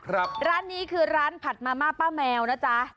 ร้านนี้คือร้านผัดมาม่าป้าแมวนะจ๊ะ